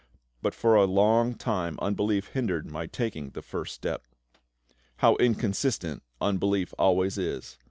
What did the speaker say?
But for a long time unbelief hindered my taking the first step. How inconsistent unbelief always is!